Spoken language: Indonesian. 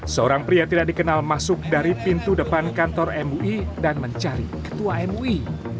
seorang pria tidak dikenal masuk dari pintu depan kantor mui dan mencari ketua mui